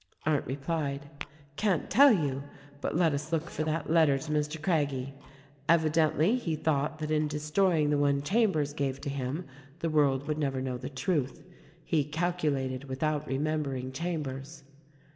Arndt replied, "Can't tell you ; but let us look for that letter to Mr. Craggie. Evidently, he thought that in destroy ing the one Chambers gave to him the world would never know the truth. He calculated without remembering Chambers."